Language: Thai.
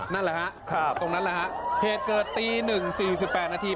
นั่นแหละฮะครับตรงนั้นแหละฮะเหตุเกิดตีหนึ่งสี่สิบแปดนาที